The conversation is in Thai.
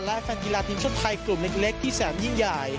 และแฟนกีฬาทีมชาติไทยกลุ่มเล็กที่แสนยิ่งใหญ่